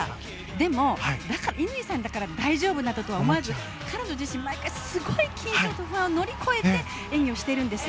でも、乾さんだから大丈夫だとは思わず彼女自身、毎回すごく乗り越えて演技をしてるんです。